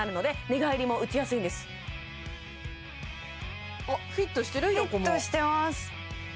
横もフィットしてます